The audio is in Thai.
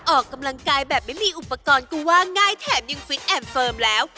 ออกกำลังกายแบบไม่มีอุปกรณ์ก็ว่าง่ายแถมยังฟิตแอมเฟิร์มแล้ว